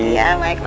ya mike makasih ya